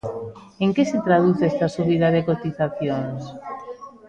¿En que se traduce esta subida de cotizacións?